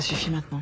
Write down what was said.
ん？